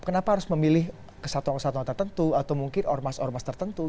kenapa harus memilih ke satu satu tertentu atau mungkin ormas ormas tertentu